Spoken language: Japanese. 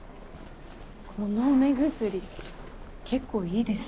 この目薬結構いいですね。